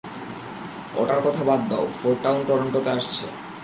ওটার কথা বাদ দাও, ফোরটাউন টরন্টোতে আসছে!